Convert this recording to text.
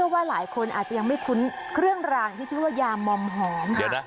ว่าหลายคนอาจจะยังไม่คุ้นเครื่องรางที่ชื่อว่ายามอมหอม